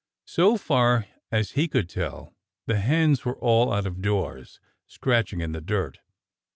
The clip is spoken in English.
So far as he could tell, the hens were all out of doors, scratching in the dirt.